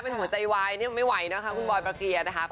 ก็เป็นรายการทำอาหารแล้วเนอะ